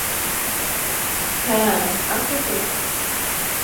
হ্যাঁ, আছে তো।